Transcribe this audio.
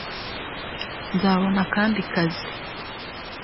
nzabona akandi kazi